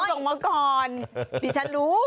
ถ้าช้างน้อยที่ชั้นรู้